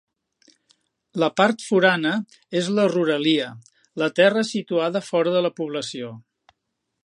La Part Forana és la ruralia, la terra situada fora de població.